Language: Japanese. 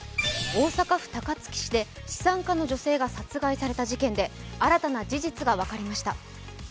大阪府高槻市で資産家の女性が殺害された事件で新たな事実が分かりました。